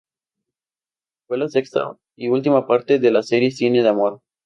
Fue la sexta y última parte de la serie Cine de Amor.